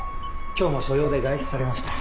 今日も所用で外出されました。